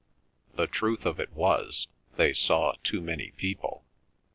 The truth of it was, they saw too many people.